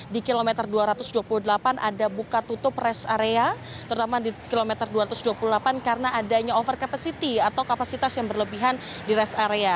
di kilometer dua ratus dua puluh delapan ada buka tutup rest area terutama di kilometer dua ratus dua puluh delapan karena adanya over capacity atau kapasitas yang berlebihan di rest area